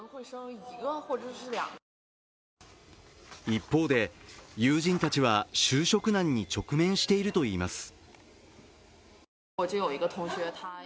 一方で、友人たちは就職難に直面しているといいます。